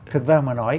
thực ra mà nói